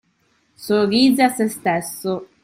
Sorrise a se stesso.